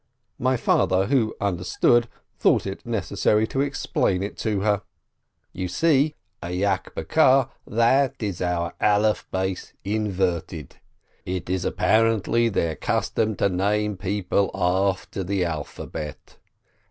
My father, who understood, thought it necessary to explain it to her. "You see, Ayak Bakar, that is our Alef Bes inverted. It is apparently their custom to name people after the alphabet."